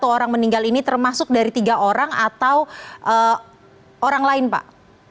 satu orang meninggal ini termasuk dari tiga orang atau orang lain pak